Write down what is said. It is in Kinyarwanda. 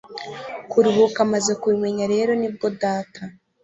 kuruhuka Maze kubimenya rero nibwo data